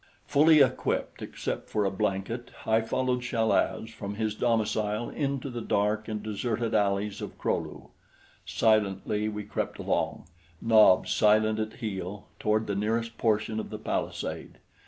Fully equipped, except for a blanket, I followed Chal az from his domicile into the dark and deserted alleys of Kro lu. Silently we crept along, Nobs silent at heel, toward the nearest portion of the palisade.